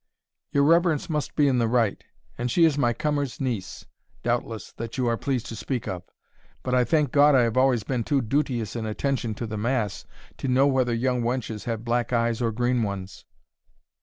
"Your reverence must be in the right; and she is my cummer's nie'ce, doubtless, that you are pleased to speak of: but I thank God I have always been too duteous in attention to the mass, to know whether young wenches have black eyes or green ones."